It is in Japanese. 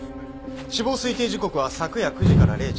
死亡推定時刻は昨夜９時から０時。